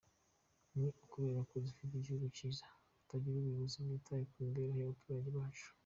Ni ukubera ko dufite igihugu cyiza, tukagira ubuyobozi bwitaye ku mibereho y’abaturage bacu.